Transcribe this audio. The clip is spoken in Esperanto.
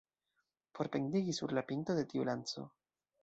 Por pendigi sur la pinto de tiu lanco.